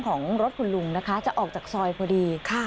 ของรถคุณลุงนะคะจะออกจากซอยพอดี